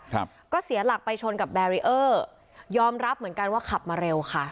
ครับก็เสียหลักไปชนกับแบรีเออร์ยอมรับเหมือนกันว่าขับมาเร็วค่ะ